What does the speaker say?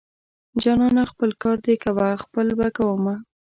جانانه خپل کار دې کوه خپل به کوومه.